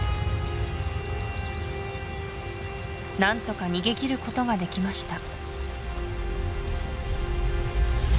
何とか逃げ切ることができました